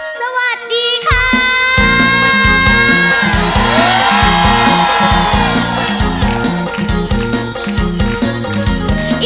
สวัสดีค่ะ